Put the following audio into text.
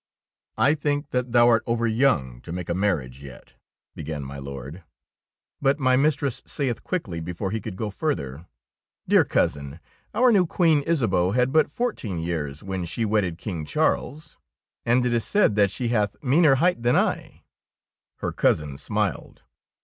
" I think that thou art over young to 27 DEEDS OF DABING make a marriage yet/^ began my Lord ; but my mistress saith quickly, before be could go further, — '^Dear Cousin, our new Queen Isa beau had but fourteen years when she wedded King Charles, and it is said that she hath meaner height than I/' Her cousin smiled.